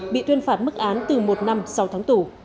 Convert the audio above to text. bị tuyên phạt mức án từ một năm sau tháng tù